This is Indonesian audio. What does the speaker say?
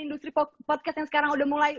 industri podcast yang sekarang udah mulai